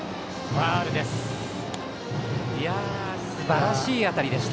ファウルです。